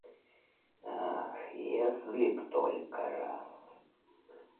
Ах, если б только раз